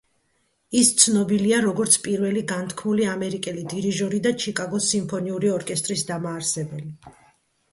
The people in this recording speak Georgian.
ის ცნობილია, როგორც პირველი განთქმული ამერიკელი დირიჟორი და ჩიკაგოს სიმფონიური ორკესტრის დამაარსებელი.